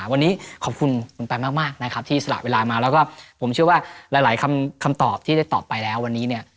วันนี้ขอบคุณคุณแปมมากนะครับที่สละเวลามาแล้วก็ผมเชื่อว่าหลายคำตอบที่ได้ตอบไปแล้ววันนี้เนี่ย